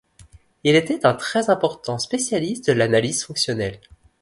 Il était un très important spécialiste de l'analyse fonctionnelle.